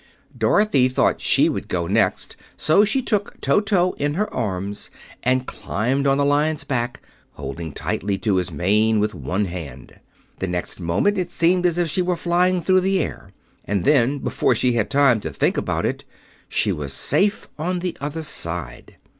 Dorothy thought she would go next; so she took Toto in her arms and climbed on the Lion's back, holding tightly to his mane with one hand. The next moment it seemed as if she were flying through the air; and then, before she had time to think about it, she was safe on the other side.